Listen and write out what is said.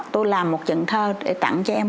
tôi làm một trận thơ để tặng cho em